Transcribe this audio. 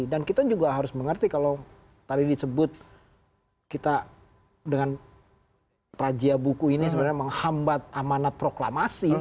dan kita juga harus mengerti kalau tadi disebut kita dengan rajia buku ini sebenarnya menghambat amanat proklamasi